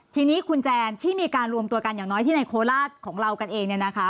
ทีนี้คุณแจนที่มีการรวมตัวกันอย่างน้อยที่ในโคราชของเรากันเองเนี่ยนะคะ